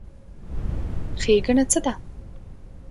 ښېګڼه څه ده؟